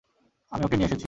আমি ওকে নিয়ে এসেছি।